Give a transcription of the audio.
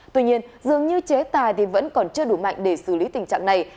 tuy nhiên dường như chế tài thì vẫn còn chưa đủ mạnh để xử lý tình trạng này